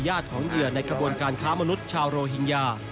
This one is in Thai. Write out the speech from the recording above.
ของเหยื่อในกระบวนการค้ามนุษย์ชาวโรฮิงญา